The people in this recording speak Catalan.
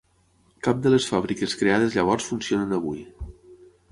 Cap de les fàbriques creades llavors funcionen avui.